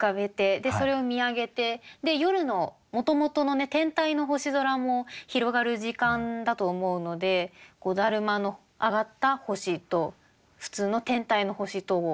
でそれを見上げて夜のもともとの天体の星空も広がる時間だと思うので達磨の上がった星と普通の天体の星とを掛け合わせて詠んでみました。